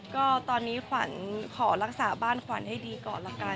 ก็ตอนนี้ขวัญขอรักษาบ้านขวัญให้ดีก่อนละกัน